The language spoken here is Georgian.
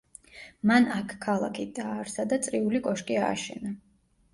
მან აქ ქალაქი დააარსა და წრიული კოშკი ააშენა.